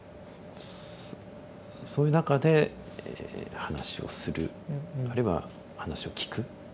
そういう中で話をするあるいは話を聞く